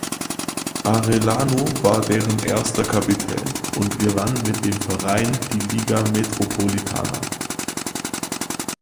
Arellano war deren erster Kapitän und gewann mit dem Verein die Liga Metropolitana.